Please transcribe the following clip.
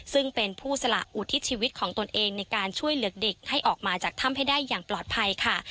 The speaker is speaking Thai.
ซึ่งเป็นผู้สละอุทิศชีวิตของตนเองในการช่วยเหลือเด็กให้ออกมาจากถ้ำให้ได้อย่างปลอดภัยค่ะ